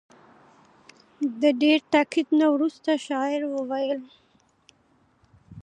د ډېر تاکید نه وروسته شاعر وویل.